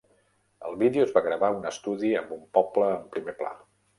El vídeo es va gravar a un estudi amb un poble en primer pla.